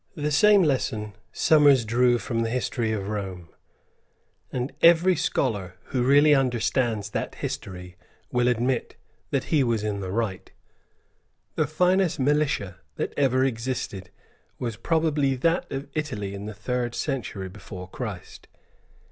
The same lesson Somers drew from the history of Rome; and every scholar who really understands that history will admit that he was in the right. The finest militia that ever existed was probably that of Italy in the third century before Christ.